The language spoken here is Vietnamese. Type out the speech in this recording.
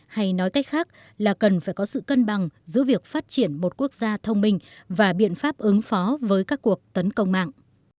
hay nói cách khác là cần phải có sự cân bằng giữa việc phát triển một quốc gia thông minh và biện pháp ứng phó với các cuộc tấn công mạng